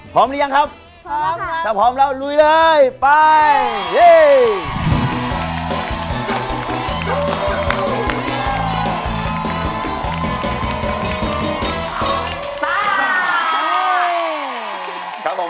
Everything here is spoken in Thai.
พร้อมรึยังครับพร้อมครับถ้าพร้อมก่อนไปเลย